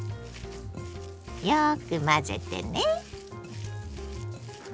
よく混ぜてね。